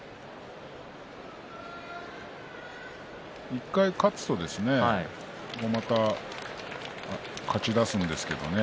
１回勝つとまた勝ちだすんですけれどね。